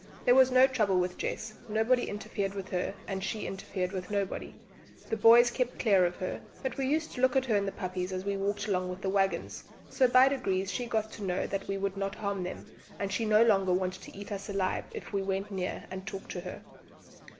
There was no trouble with Jess; nobody interfered with her, and she interfered with nobody. The boys kept clear of her; but we used to take a look at her and the puppies as we walked along with the waggons; so by degrees she got to know that we would not harm them, and she no longer wanted to eat us alive if we went near and talked to her.